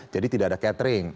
jadi tidak ada catering